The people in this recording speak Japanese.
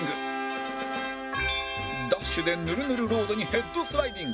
ダッシュでヌルヌルロードにヘッドスライディング